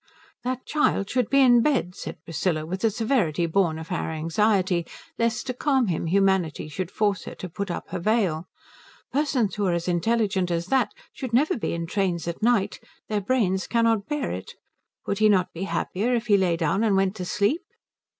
"That child should be in bed," said Priscilla, with a severity born of her anxiety lest, to calm him, humanity should force her to put up her veil. "Persons who are as intelligent as that should never be in trains at night. Their brains cannot bear it. Would he not be happier if he lay down and went to sleep?"